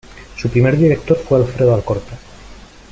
Su primer director fue Alfredo Alcorta.